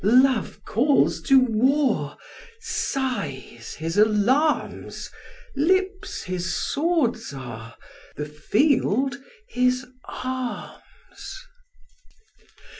Love calls to war; Sighs his alarms, Lips his swords are, The field his arms.